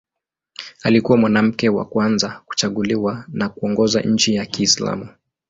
Alikuwa mwanamke wa kwanza kuchaguliwa na kuongoza nchi ya Kiislamu.